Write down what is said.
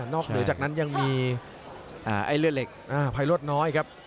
นอกเหลือจากนั้นยังมีไอเลือดเหล็กไพโลดน้อยครับ